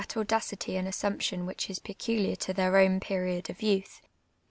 IFK, audacity and assumption wliicli is ])(«ruliar to thoir o^vTl period of youth.